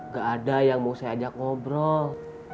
gak ada yang mau saya ajak ngobrol